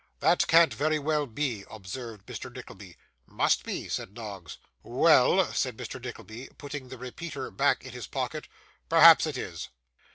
'That can't very well be,' observed Mr. Nickleby. 'Must be,' said Noggs. 'Well!' said Mr. Nickleby, putting the repeater back in his pocket; 'perhaps it is.